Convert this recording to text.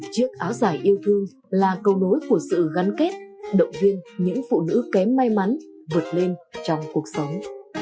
chiếc áo giải yêu thương là câu nối của sự gắn kết động viên những phụ nữ kém may mắn vượt lên trong cuộc sống